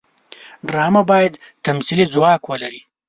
ډرامه باید تمثیلي ځواک ولري